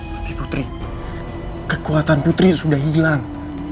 putri kekuatan putri sudah hilang